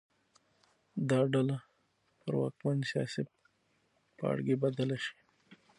دا ډله پر واکمن سیاسي پاړکي بدله شي